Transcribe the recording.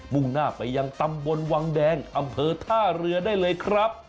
่งหน้าไปยังตำบลวังแดงอำเภอท่าเรือได้เลยครับ